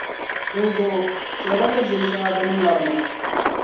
Dinzuɣu, chɛli ba ni ʒiri shɛŋa bɛ ni ŋmari maa.